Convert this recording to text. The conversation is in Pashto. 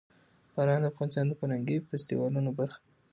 باران د افغانستان د فرهنګي فستیوالونو برخه ده.